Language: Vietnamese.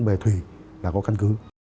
bề thùy là có căn cứ